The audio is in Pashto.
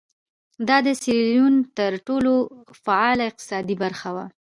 دا د سیریلیون تر ټولو فعاله اقتصادي برخه وه.